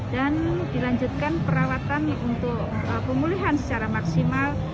dan dilanjutkan perawatan untuk pemulihan secara maksimal